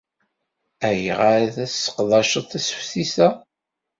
Ayɣer ay tesseqdaceḍ tasefsit-a?